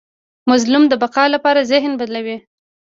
مظلوم د بقا لپاره ذهن بدلوي.